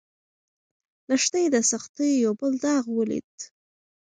لښتې د سختیو یو بل داغ ولید.